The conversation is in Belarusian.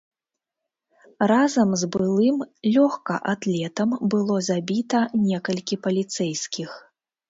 Разам з былым лёгкаатлетам было забіта некалькі паліцэйскіх.